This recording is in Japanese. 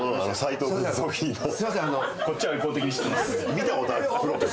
見たことあるって。